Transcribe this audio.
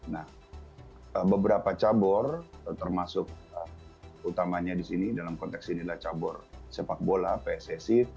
nah beberapa cabur termasuk utamanya di sini dalam konteks ini adalah cabur sepak bola pssi